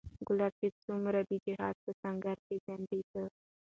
کلاب چې څومره د جهاد په سنګر کې ځنډېدی